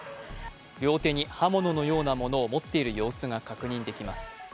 両手に刃物のようなものを持っている様子が確認できます。